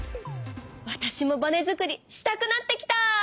わたしもバネ作りをしたくなってきた！